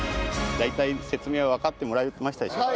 大体説明はわかってもらえましたでしょうか？